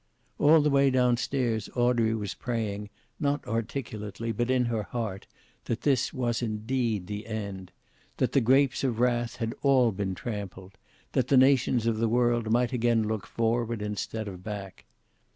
All the way down stairs Audrey was praying, not articulately, but in her heart, that this was indeed the end; that the grapes of wrath had all been trampled; that the nations of the world might again look forward instead of back.